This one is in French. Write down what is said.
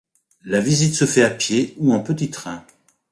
La visite se fait à pied ou en petit train.